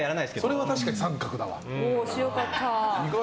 それは確かに△だわ。